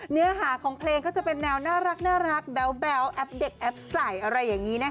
เนื้อหาของเพลงก็จะเป็นแนวน่ารักแบ๊วแอปเด็กแอปใส่อะไรอย่างนี้นะคะ